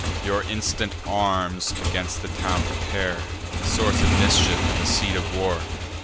Your instant arms against the town prepare, The source of mischief, and the seat of war.